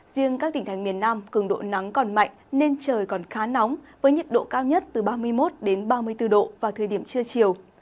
riêng các tỉnh thành miền nam cường độ nắng còn mạnh nên trời còn khá nóng với nhiệt độ cao nhất từ ba mươi một ba mươi bốn độ vào thời điểm trưa chiều